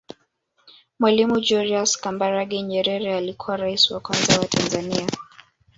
Mwalimu Julius Kambarage Nyerere alikuwa raisi wa kwanza wa Tanzania